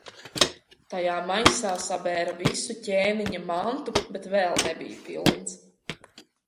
Tajā maisā sabēra visu ķēniņa mantu, bet vēl nebija pilns.